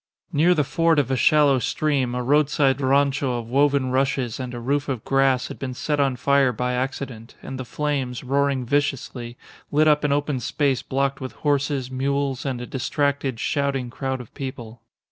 Near the ford of a shallow stream a roadside rancho of woven rushes and a roof of grass had been set on fire by accident, and the flames, roaring viciously, lit up an open space blocked with horses, mules, and a distracted, shouting crowd of people.